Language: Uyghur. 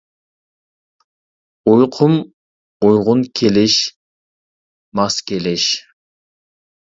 ئۇيقۇم ئۇيغۇن كېلىش، ماس كېلىش.